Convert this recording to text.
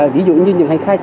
ví dụ như những hành khách